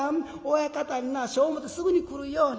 親方にな証文持ってすぐに来るように。